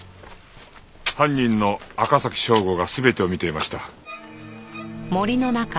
犯人の赤崎省吾が全てを見ていました。